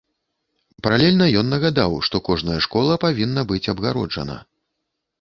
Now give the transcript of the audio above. Паралельна ён нагадаў, што кожная школа павінна быць абгароджана.